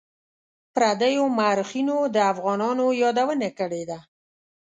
پردیو مورخینو د افغانانو یادونه کړې ده.